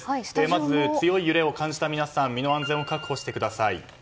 まず強い揺れを感じた皆さん身の安全を確保してください。